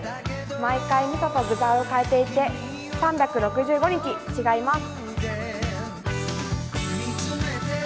毎回みそと具材を変えていて、３６５日違います。